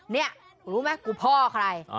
นี่รู้ไหมกูพ่อใคร